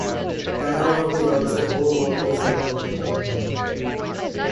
Paramount is also home of the Zamboni Company.